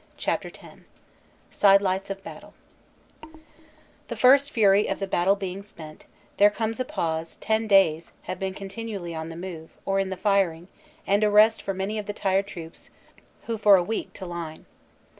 CHAPTER X SIDELIGHTS OF BATTLE THE first fury of the battle being spent, there comes a pause ten days have been continually on the move or in the firing and a rest for many of the tired troops who for a week to line.